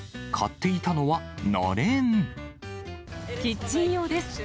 キッチン用です。